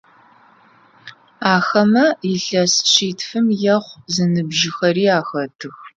Ахэмэ илъэс шъитфым ехъу зыныбжьыхэри ахэтых.